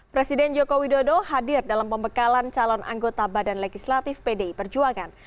presiden joko widodo hadir dalam pembekalan calon anggota badan legislatif pdi perjuangan